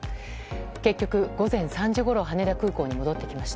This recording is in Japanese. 結局、午前３時ごろ羽田空港に戻ってきました。